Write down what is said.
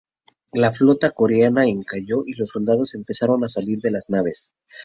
La flota Coreana encalló y los soldados empezaron a salir de las naves.